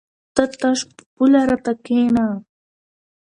ته تش په پوله راته کېنه!